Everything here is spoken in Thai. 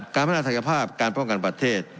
การพัฒนาศักยภาพการป้องกันประเทศ